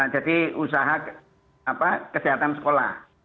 jadi usaha kesehatan sekolah